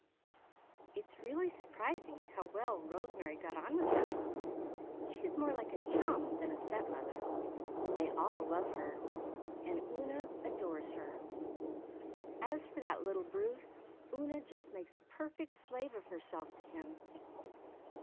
It's really surprising how well Rosemary got on with them. She's more like a chum than a step mother. They all love her and Una adores her. As for that little Bruce, Una just makes a perfect slave of herself to him.